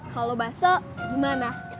kalau basah gimana